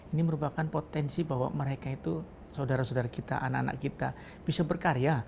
ini merupakan potensi bahwa mereka itu saudara saudara kita anak anak kita bisa berkarya